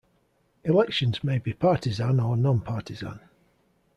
Elections may be partisan or nonpartisan.